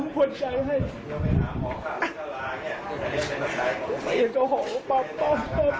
ไม่รู้ทั้งหมดไงส่อหอมพ่อพ่อพ่อใจให้